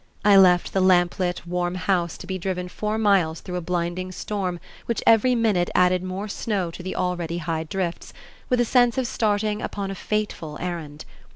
I left the lamp lit, warm house to be driven four miles through a blinding storm which every minute added more snow to the already high drifts, with a sense of starting upon a fateful errand.